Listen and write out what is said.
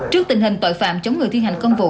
trước tình hình tội phạm chống người thi hành công vụ